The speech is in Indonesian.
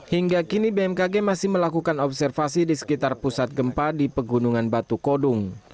hingga kini bmkg masih melakukan observasi di sekitar pusat gempa di pegunungan batu kodung